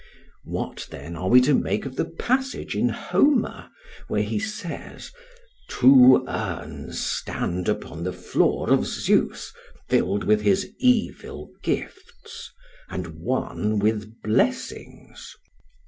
What then, are we to make of the passage in Homer where he says, "two urns stand upon the floor of Zeus filled with his evil gifts, and one with blessings.